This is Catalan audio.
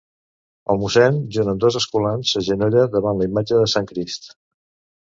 El mossèn, junt amb dos escolans, s'agenolla davant la imatge del Sant Crist.